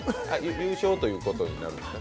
優勝ということになるんですか？